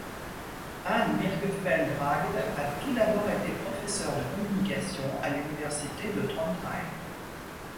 Anne Birkefeldt Ragde a tout d'abord été professeur de communication à l'université de Trondheim.